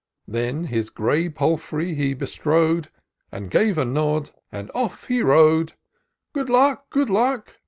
Then his grey palfrey he bestrode, And gave a nod, and off he rode^ " Good luck ! good luck